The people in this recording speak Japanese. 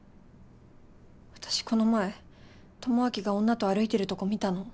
私この前智明が女と歩いてるとこ見たの。